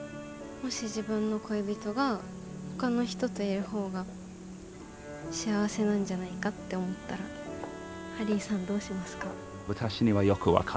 もし自分の恋人がほかの人といる方が幸せなんじゃないかって思ったらハリーさんどうしますか？